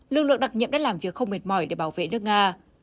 lực lượng đặc nhiệm đã làm việc không mệt mỏi để bảo vệ nước nga